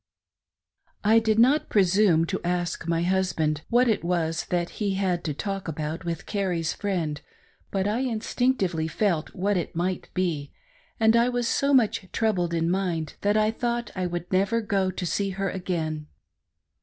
I DID not presume to ask my husband what it was that he had to talk about with Carrie's friend, but I instihctively felt what it might be, and I was so much troubled in mind that I thought I would never go to see her again.